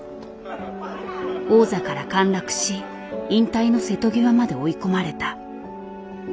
王座から陥落し引退の瀬戸際まで追い込まれた。